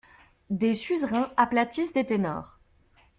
Des suzerains aplatissent des ténors.